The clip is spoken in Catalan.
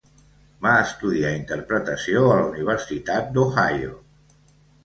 Va estudiar Interpretació a la Universitat d'Ohio.